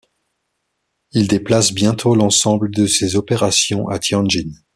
Il déplace bientôt l’ensemble de ses opérations à Tianjin.